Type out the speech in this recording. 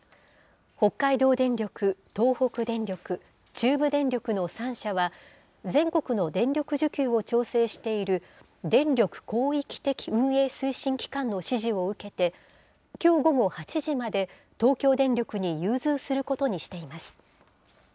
北海道電力、東北電力、中部電力の３社は、全国の電力需給を調整している電力広域的運営推進機関の指示を受けて、きょう午後８時まで、東京電力に融通することにしています。